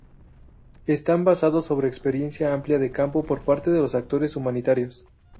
Están basados sobre experiencia amplia de campo por parte de los actores humanitarios.